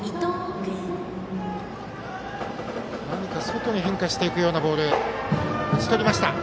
何か外へ変化していくボールで打ち取りました。